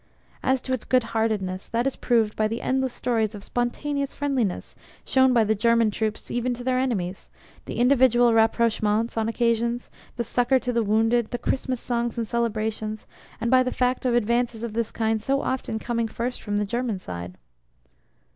As to its goodheartedness, that is proved by the endless stories of spontaneous friendliness shown by the German troops even to their enemies, the individual rapprochements on occasions, the succour to the wounded, the Christmas songs and celebrations, and by the fact of advances of this kind so often coming first from the German side.